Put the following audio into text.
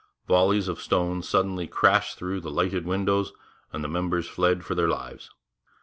Volleys of stones suddenly crashed through the lighted windows, and the members fled for their lives.